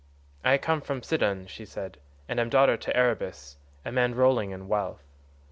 'I come from Sidon,' said she, 'and am daughter to Arybas, a man rolling in wealth.